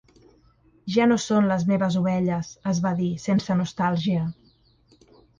"Ja no són les meves ovelles", es va dir, sense nostàlgia.